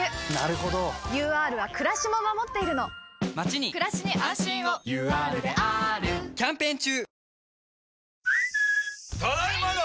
ＵＲはくらしも守っているのまちにくらしに安心をＵＲであーるキャンペーン中！